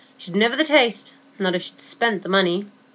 She'd niver the taste, not if she'd spend the money.